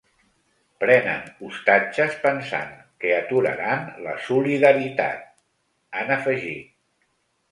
“Prenen ostatges pensant que aturaran la solidaritat”, han afegit.